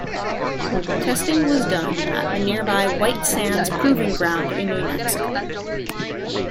Testing was done at the nearby White Sands Proving Ground in New Mexico.